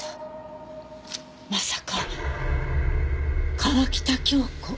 まさか川喜多京子！？